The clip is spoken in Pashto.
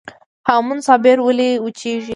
هامون صابري ولې وچیږي؟